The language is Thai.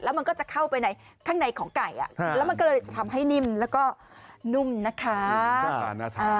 มันก็จะเข้าไปในข้างในของไก่แล้วมันก็เลยจะทำให้นิ่มแล้วก็นุ่มนะคะ